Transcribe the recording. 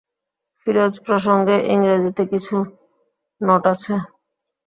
ফিরোজ প্রসঙ্গে ইংরেজিতে কিছু নোট আছে।